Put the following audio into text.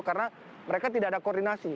karena mereka tidak ada koordinasi